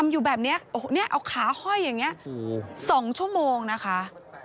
อยู่แบบนี้โอ้โหเนี่ยเอาขาห้อยอย่างนี้๒ชั่วโมงนะคะ